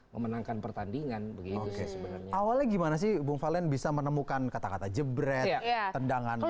memenangkan pertandingan begitu awalnya gimana sih bung falan bisa menemukan kata kata jebret tendangan